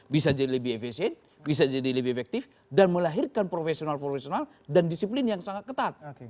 bisa jadi lebih efisien bisa jadi lebih efektif dan melahirkan profesional profesional dan disiplin yang sangat ketat